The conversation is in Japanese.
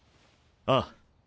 ああ。